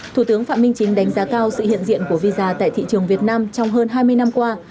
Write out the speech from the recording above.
thủ tướng phạm minh chính đánh giá cao sự hiện diện của visa tại thị trường việt nam trong hơn hai mươi năm qua